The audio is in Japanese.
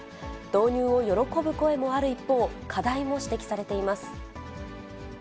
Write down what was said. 導入を喜ぶ声もある一方、課題も指摘されています。